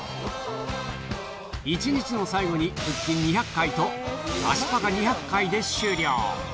一日の最後に腹筋２００回と、足パカ２００回で終了。